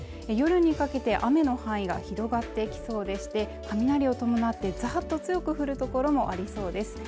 夜にかけて雨の範囲が広がってきそうでして雷を伴ってざっと強く降るところもありそうです